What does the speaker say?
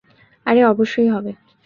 আরে অবশ্যই হবে।